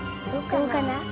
どうかな？